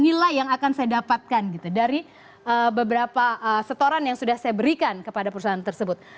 nilai yang akan saya dapatkan gitu dari beberapa setoran yang sudah saya berikan kepada perusahaan tersebut